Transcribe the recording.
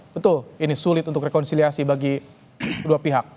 betul ini sulit untuk rekonsiliasi bagi dua pihak